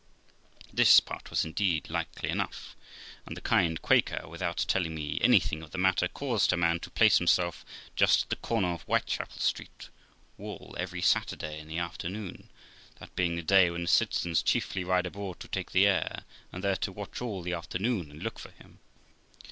This part was, indeed, likely enough; and the kind Quaker, without telling me anything of the matter, caused her man to place himself just at the comer of Whitechapel Church wall every Saturday, in the afternoon, that being the day when the citizens chiefly ride abroad to take the air, and there to watch all the afternoon, and look for him.